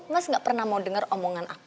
mas gak pernah mau dengar omongan aku